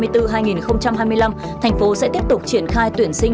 thành phố sẽ tiếp tục triển khai tuyển sinh